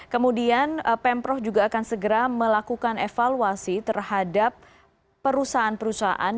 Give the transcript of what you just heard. kemudian pemprov juga akan segera melakukan evaluasi terhadap perusahaan perusahaan